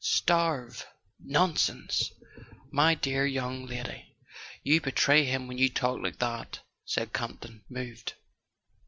"Starve—nonsense! My dear young lady, you be¬ tray him when you talk like that," said Campton, moved.